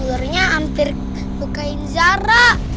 ularnya hampir lukain zara